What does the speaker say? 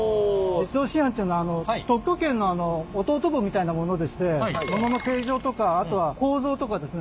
実用新案というのは特許権の弟分みたいなものでしてものの形状とかあとは構造とかですね